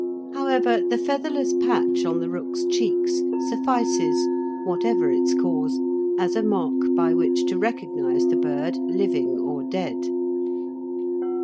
However, the featherless patch on the rook's cheeks suffices, whatever its cause, as a mark by which to recognise the bird living or dead.